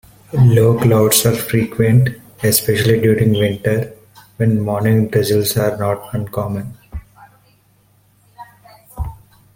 Low clouds are frequent, especially during winter, when morning drizzles are not uncommon.